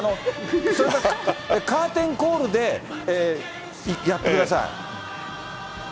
それか、カーテンコールでやってください。